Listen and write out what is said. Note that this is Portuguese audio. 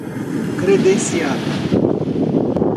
credenciada